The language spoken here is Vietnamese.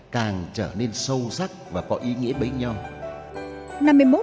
càng trở nên sâu sắc và có ý nghĩa bấy nhau